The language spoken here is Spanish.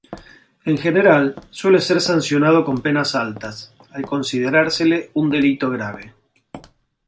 En general, suele ser sancionado con penas altas, al considerársele un delito grave.